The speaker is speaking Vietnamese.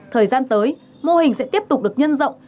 thời gian tới mô hình sẽ tiếp tục được nhân rộng